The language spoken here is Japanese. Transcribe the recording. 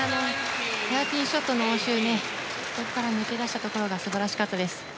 ヘアピンショットの応酬から抜け出したところが素晴らしかったです。